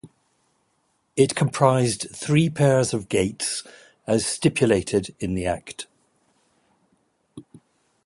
It comprised three pairs of gates as stipulated in the act.